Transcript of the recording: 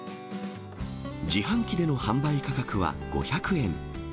自販機での販売価格は５００円。